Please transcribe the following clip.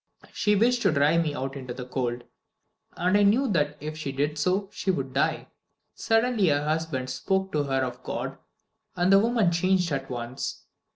She wished to drive me out into the cold, and I knew that if she did so she would die. Suddenly her husband spoke to her of God, and the woman changed at once.